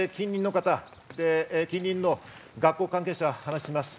近隣の方、学校関係者は話します。